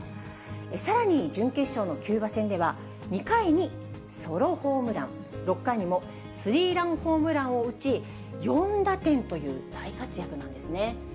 さらに準決勝のキューバ戦では、２回にソロホームラン、６回にもスリーランホームランを打ち、４打点という大活躍なんですね。